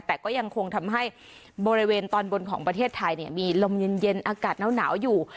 แต่ก็ยังคงทำให้บริเวณตอนบนของประเทศไทยมีลมเย็นอากาศหนาวอยู่